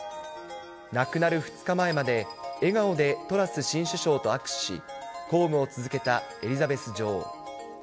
亡くなる２日前まで、笑顔でトラス新首相と握手し、公務を続けたエリザベス女王。